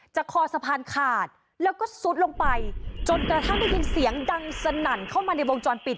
คอสะพานขาดแล้วก็ซุดลงไปจนกระทั่งได้ยินเสียงดังสนั่นเข้ามาในวงจรปิด